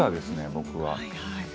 僕は。